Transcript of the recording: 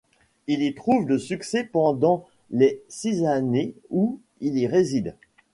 Il y trouve le succès pendant les six années où il y réside.